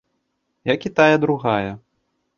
Як і тая другая.